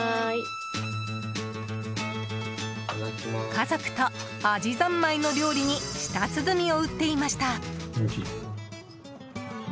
家族とアジ三昧の料理に舌鼓を打っていました。